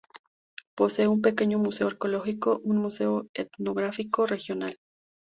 Posee un pequeño museo arqueológico, un museo etnográfico regional.